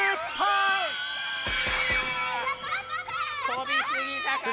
とびすぎたか？